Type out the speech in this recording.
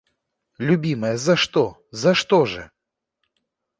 Любимая, за что, за что же?!